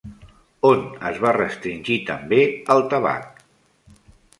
On es va restringir també el tabac?